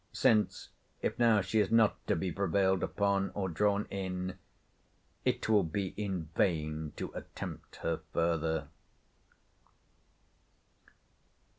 —Since, if now she is not to be prevailed upon, or drawn in, it will be in vain to attempt her further.